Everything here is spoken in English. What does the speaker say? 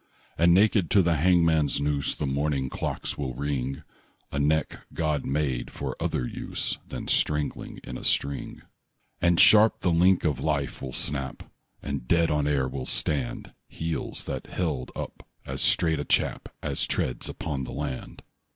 And naked to the hangman's noose The morning clocks will ring A neck God made for other use Than strangling in a string. And sharp the link of life will snap, And dead on air will stand Heels that held up as straight a chap As treads upon the land.